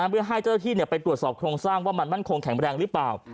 เพื่อให้เจ้าหน้าที่ไปตรวจสอบโครงสร้างว่ามันมั่นคงแข็งแรงหรือเปล่า